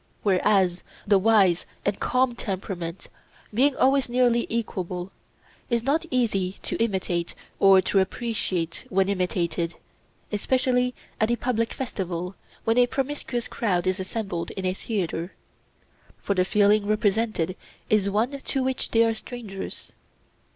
Whereas the wise and calm temperament, being always nearly equable, is not easy to imitate or to appreciate when imitated, especially at a public festival when a promiscuous crowd is assembled in a theatre. For the feeling represented is one to which they are strangers.